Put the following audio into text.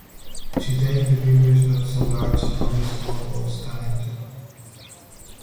Today, the river is not so large and only small boats can enter.